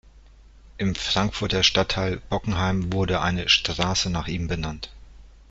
Im Frankfurter Stadtteil Bockenheim wurde eine Straße nach ihm benannt.